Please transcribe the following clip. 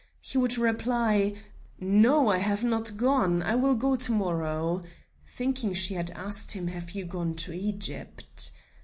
he would reply, "No, I have not gone; I will go to morrow;" thinking she had asked him, "Have you gone to Egypt?"